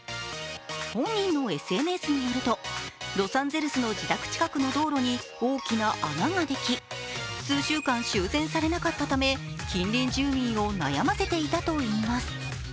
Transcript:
本人のＳＮＳによるとロサンゼルスの自宅近くの道路に大きな穴ができ、数週間修繕されなかったため近隣住民を悩ませていたといいます。